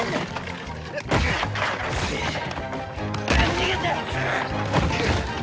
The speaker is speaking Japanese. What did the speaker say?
逃げて！